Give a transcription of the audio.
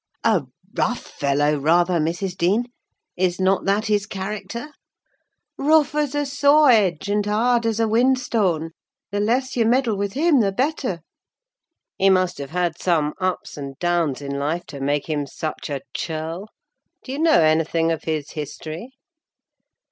"A rough fellow, rather, Mrs. Dean. Is not that his character?" "Rough as a saw edge, and hard as whinstone! The less you meddle with him the better." "He must have had some ups and downs in life to make him such a churl. Do you know anything of his history?"